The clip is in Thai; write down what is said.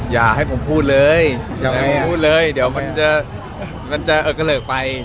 อยากให้ผมพูดเลยเดี๋ยวมันจะเอาเกลิกไป